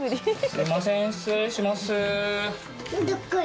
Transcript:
すいません失礼します。